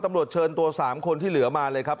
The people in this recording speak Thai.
ตำรวจเชิญตัว๓คนที่เหลือมาเลยครับ